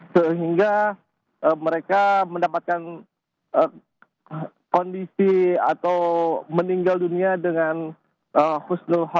sehingga mereka mendapatkan kondisi atau meninggal dunia dengan husnul